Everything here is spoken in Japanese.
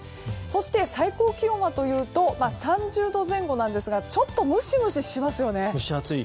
そして最高気温はというと３０度前後なんですがちょっとムシムシしますよね。